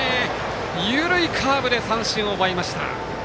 緩いカーブで三振を奪いました！